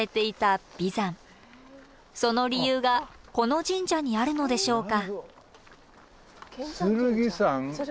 その理由がこの神社にあるのでしょうか？